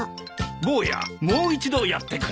坊やもう一度やってくれ。